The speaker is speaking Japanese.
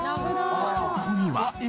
そこには。